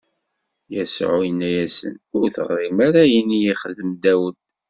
Yasuɛ inna-asen: Ur teɣrim ara ayen i yexdem Dawed?